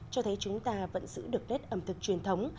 cho thấy chúng ta vẫn giữ được nét ẩm thực truyền thống